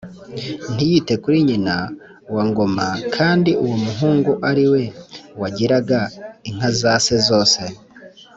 ntiyite kuri nyina wa Ngoma kandi uwo muhungu ari we waragiraga inka za se zose